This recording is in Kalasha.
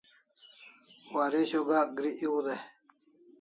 Waresho Gak gri ew dai